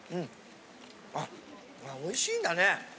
あっおいしいんだね！